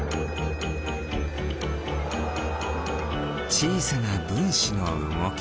ちいさなぶんしのうごき。